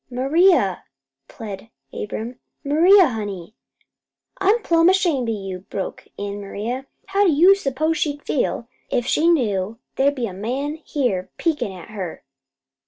"Maria," pled Abram, "Maria, honey." "I am plumb ashamed of you," broke in Maria. "How d'you s'pose she'd feel if she knew there was a man here peekin' at her?